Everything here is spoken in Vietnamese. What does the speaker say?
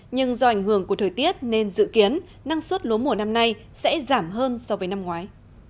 nhưng do ảnh hưởng của thời tiết nên dự kiến năng suất lúa mùa năm nay sẽ giảm hơn so với năm ngoái